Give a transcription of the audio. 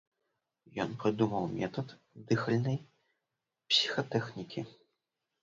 Ён прыдумаў метад дыхальнай псіхатэхнікі.